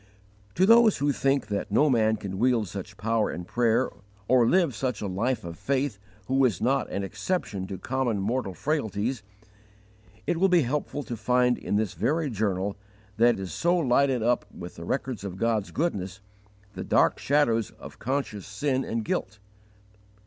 1 Cor. xii. 1 10. To those who think that no man can wield such power in prayer or live such a life of faith who is not an exception to common mortal frailties, it will be helpful to find in this very journal that is so lighted up with the records of God's goodness, the dark shadows of conscious sin and guilt.